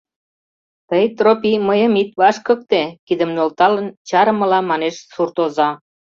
— Тый, Тропий, мыйым ит вашкыкте! — кидым нӧлталын, чарымыла манеш суртоза.